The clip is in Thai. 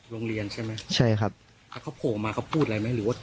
โรงเรียนใช่ไหมใช่ครับอ่าเขาโผล่ออกมาเขาพูดอะไรไหมหรือว่า